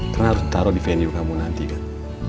karena harus taruh di venue kamu nanti kan